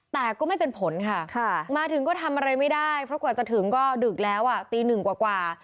แต่ก็ไม่เป็นผลค่ะมาถึงก็ทำอะไรไม่ได้เพราะกว่าจะถึงก็ดึกแล้วตีหนึ่งกว่า